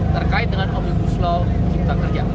terkait dengan objek kuslau cipta kerja